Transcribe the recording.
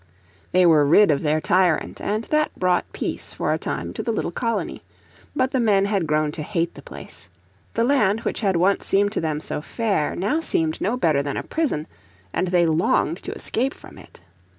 They were rid of their tyrant, and that brought peace for a time to the little colony. But the men had grown to hate the place. The land which had once seemed to them so fair now seemed no better than a prison, and they longed to escape from it.